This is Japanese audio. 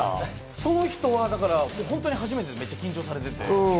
その人は初めてでめっちゃ緊張されていて。